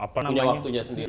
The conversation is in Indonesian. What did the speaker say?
punya waktunya sendiri